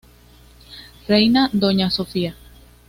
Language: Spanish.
Reina Doña Sofia.